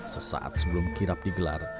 sesaat sebelum kirap digelar